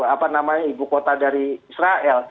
apa namanya ibu kota dari israel